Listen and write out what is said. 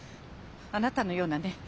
あなたのようなね